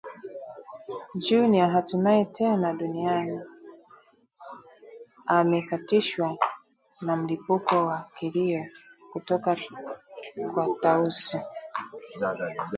Junior hatunaye tena duniani!! Ame…!” akakatishwa na mlipuko wa kilio kutoka kwa Tausi